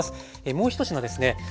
もうひと品ですね